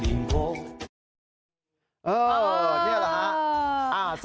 อ้อนี่แหละฮะ